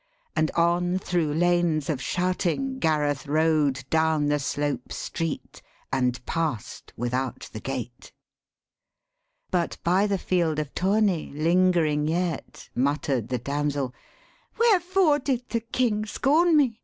And on thro' lanes of shouting Gareth rode Down the slope street, and past without the gate. But by the field of tourney lingering yet Mutter'd the damsel, 'Wherefore did the King Scorn me?